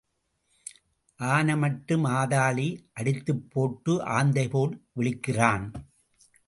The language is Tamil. ஆனமட்டும் ஆதாளி அடித்துப் போட்டு ஆந்தை போல் விழிக்கிறான்.